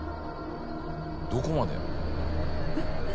どこまで？